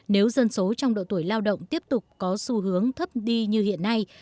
nếu dân số trong độ tuổi lao động tiếp tục có xu hướng thấp đi như hiện nay